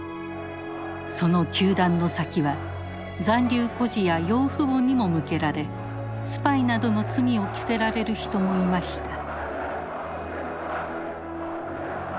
その糾弾の先は残留孤児や養父母にも向けられスパイなどの罪を着せられる人もいました。